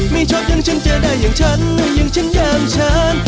ไม่ชอบอย่างฉันเจอได้อย่างฉันอย่างฉันอย่างฉัน